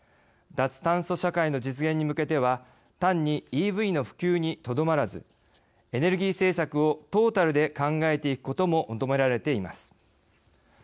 脱炭素社会の実現に向けては単にＥＶの普及にとどまらずエネルギー政策をトータルで考えていくことも求められています。